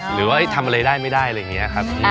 หรือว่าทำอะไรได้ไม่ได้อะไรอย่างนี้ครับ